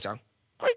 はい。